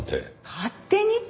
「勝手に」って。